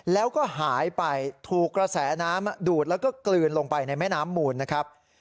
แล้วก็หายไปถูกกระแสน้ำดูดแล้วก็กลืนลงไปในแม่น้ำมูลนะครับ